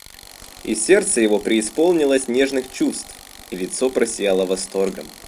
И сердце его преисполнилось нежных чувств, и лицо просияло восторгом.